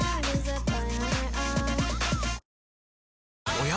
おや？